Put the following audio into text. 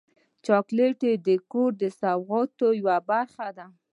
چاکلېټ د کور د سوغات یوه برخه ده.